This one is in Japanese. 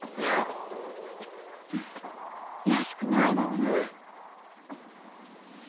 らしくないわね。